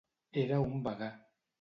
Era un vegà.